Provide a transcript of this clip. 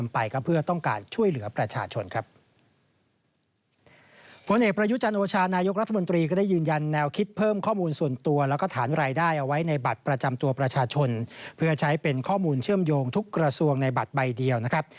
ผลเอกประยุจันโอชานายกรัฐมนตรีก็ได้ยืนยันแนวคิดเพิ่มข้อมูลส่วนตัวแล้วก็ฐานรายได้เอาไว้ในบัตรประจำตัวประชาชนเพื่อใช้เป็นข้อมูลเชื่อมโยงทุกกระทรวงในบัตรใบเดียวนะครับ